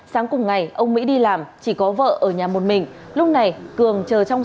sáng cùng ngày ông mỹ đi làm chỉ có vợ ở nhà một mình